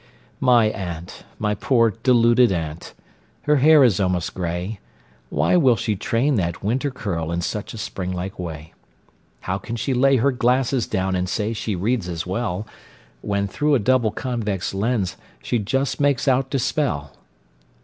My aunt, my poor deluded aunt! Her hair is almost gray; Why will she train that winter curl In such a spring like way? How can she lay her glasses down, And say she reads as well, When, through a double convex lens, She just makes out to spell?